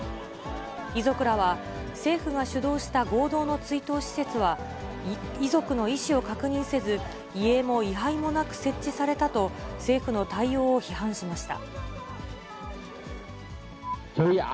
遺族らは、政府が主導した合同の追悼施設は遺族の意思を確認せず、遺影も位はいもなく設置されたと、政府の対応を批判しました。